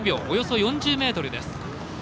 およそ４０ｍです。